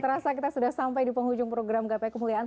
terasa kita sudah sampai di penghujung program gapai kemuliaan